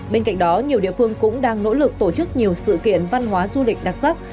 bên cạnh đó nhiều địa phương cũng đang nỗ lực tổ chức nhiều sự kiện văn hóa du lịch đặc sắc